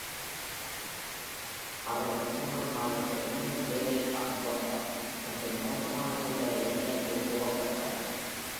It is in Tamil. அவள் டிசம்பர் மாதத்தில் மீண்டும் வேலையில் பங்கு கொண்டார் மற்றும் மோசமான சூழலை நினைத்து கோபப்படாள்.